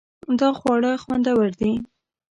دا خواړه خوندور دي